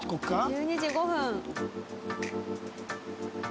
１２時５分。